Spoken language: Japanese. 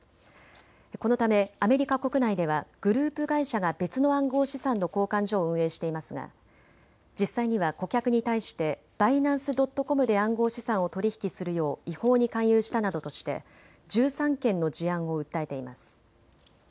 このためアメリカ国内ではグループ会社が別の暗号資産の交換所を運営していますが実際には顧客に対してバイナンス・ドット・コムで暗号資産を取り引きするよう違法に勧誘したなどとして１３件の事案を訴えています。